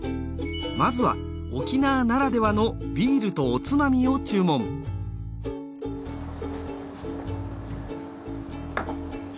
まずは沖縄ならではのビールとおつまみを注文島